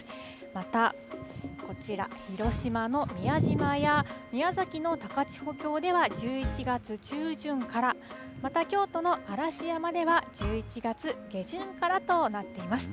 またこちら、広島の宮島や宮崎の高千穂峡では１１月中旬から、また京都の嵐山では１１月下旬からとなっています。